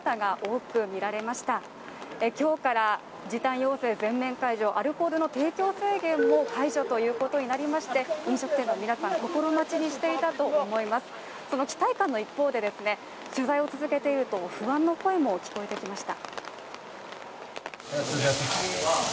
その期待感の一方で、取材を続けていると期待感がある一方で、不安の声も聞こえてきました。